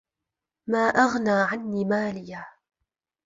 ما أَغنى عَنّي مالِيَه